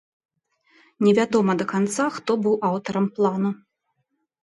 Невядома да канца, хто быў аўтарам плану.